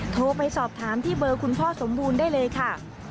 โทรไปสอบถามที่เบอร์คุณพ่อสมบูรณ์ได้เลยค่ะ